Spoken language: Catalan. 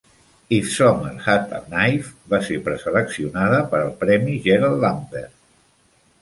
If Summer Had a Knife va ser preseleccionada per al Premi Gerald Lampert.